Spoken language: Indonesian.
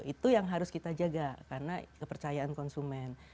itu yang harus kita jaga karena kepercayaan konsumen